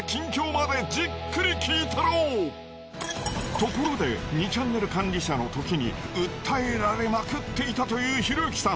ところで２ちゃんねる管理者の時に訴えられまくっていたというひろゆきさん。